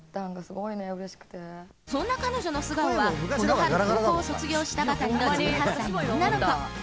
［そんな彼女の素顔はこの春高校を卒業したばかりの１８歳の女の子］